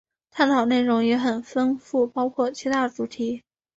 探讨内容也很丰富，包含七大主题